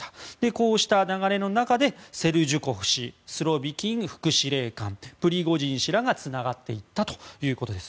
こうした流れの中でセルジュコフ氏スロビキン副司令官プリゴジン氏らがつながっていったということです。